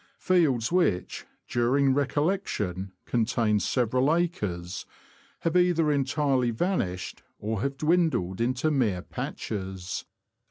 Fields which, during recollection, contained several acres, have either entirely vanished, or have dwindled into mere patches.